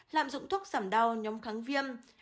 làm dụng thuốc giảm đau nhóm kháng viêm